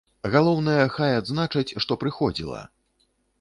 Галоўнае, хай адзначаць, што прыходзіла.